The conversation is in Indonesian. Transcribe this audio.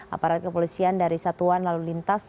aparat kepolisian dari satuan lalu lintas